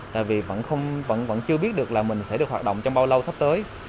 tại vì vẫn chưa biết được là mình sẽ được hoạt động trong bao lâu sắp tới